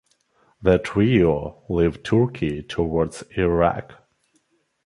The trio leave Turkey towards Iraq.